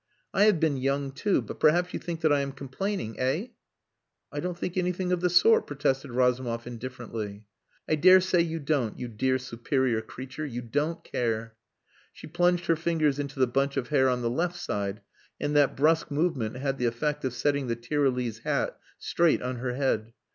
I have been young, too but perhaps you think that I am complaining eh?" "I don't think anything of the sort," protested Razumov indifferently. "I dare say you don't, you dear superior creature. You don't care." She plunged her fingers into the bunch of hair on the left side, and that brusque movement had the effect of setting the Tyrolese hat straight on her head.